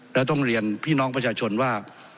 และต้องเรียนพี่น้องประชาชนว่า